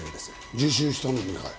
自首したのにかい？